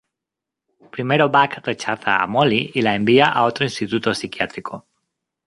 Primero Buck rechaza a Molly y la envía a otra instituto psiquiátrico.